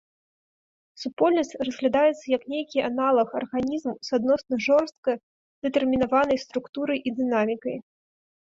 Супольнасць разглядаецца як нейкі аналаг арганізму с адносна жорстка дэтэрмінаванай структурай і дынамікай.